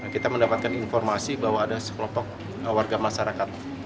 kita mendapatkan informasi bahwa ada sekelompok warga masyarakat